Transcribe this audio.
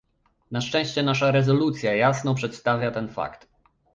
Na szczęście nasza rezolucja jasno przedstawia ten fakt